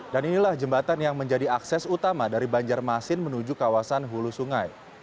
dan inilah jembatan yang menjadi akses utama dari banjarmasin menuju kawasan hulu sungai